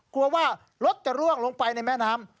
กลัวว่ารถจะร่วงลงไปในแม่น้ำ